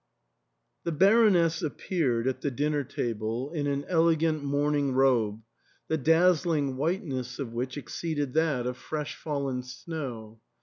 The Baroness appeared at the dinner table in an THE ENTAIL. 269 elegant morning robe, the dazzling whiteness of which exceeded that of fresh fallen snow.